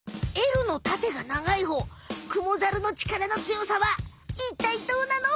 Ｌの縦が長いほうクモザルの力のつよさはいったいどうなの？